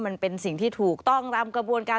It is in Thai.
มันเป็นสิ่งที่ถูกต้องตามกระบวนการ